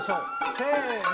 せの！